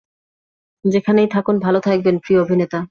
যেখানেই থাকুন ভালো থাকবেন প্রিয় অভিনেতা।